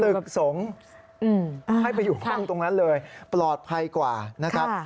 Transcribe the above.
ตึกสงฆ์ให้ไปอยู่ห้องตรงนั้นเลยปลอดภัยกว่านะครับ